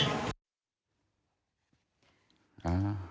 จากเหตุการณ์นี้ต้องมีการตรวจสอบคุณครู